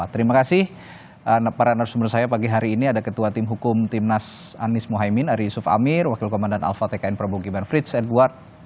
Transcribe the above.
terima kasih para narasumber saya pagi hari ini ada ketua tim hukum timnas anies mohaimin ari yusuf amir wakil komandan alfa tkn permukiman frits edward